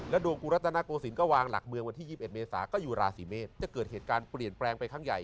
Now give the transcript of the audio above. ดวงกรุรัตนโกศิลปก็วางหลักเมืองวันที่๒๑เมษาก็อยู่ราศีเมษจะเกิดเหตุการณ์เปลี่ยนแปลงไปครั้งใหญ่